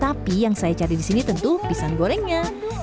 tapi yang saya cari disini tentu pisang gorengnya